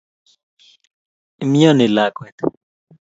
imnyani lakwet